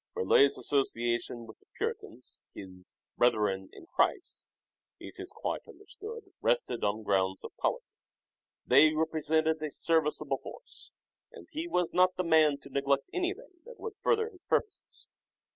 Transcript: Burleigh's association with the puritans, his " brethren in Christ," it is quite understood rested on grounds of policy. They represented a serviceable force, and he was not the man to neglect anything that would further his purposes.